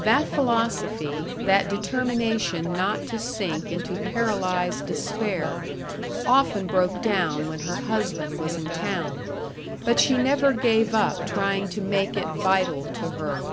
That philosophy, that determination not to sink into paralyzed despair, often broke down when her husband was in town, but she never gave up trying to make it vital to her.